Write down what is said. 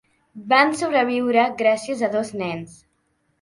Van sobreviure gràcies a dos nens.